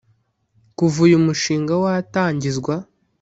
Kuva uyu mushinga watangizwa